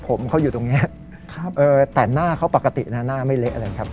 ผมเขาอยู่ตรงเนี้ยครับเอ่อแต่หน้าเขาปกตินะหน้าไม่เละเลยครับ